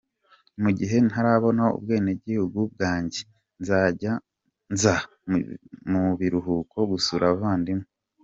Mu gihe ntarabona ubwenegihugu bwanjye, nzajya nza mu biruhuko gusura abavandimwe.